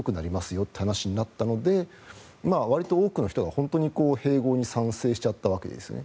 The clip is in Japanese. よって話になったのでわりと多くの人が本当に併合に賛成しちゃったわけですよね。